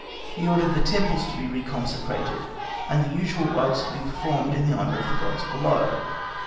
He ordered the temples to be re consecrated and the usual rites to be performed in honour of the gods below.